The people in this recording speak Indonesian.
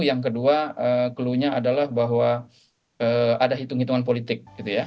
yang kedua clue nya adalah bahwa ada hitung hitungan politik